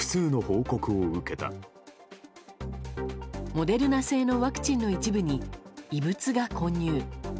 モデルナ製のワクチンの一部に異物が混入。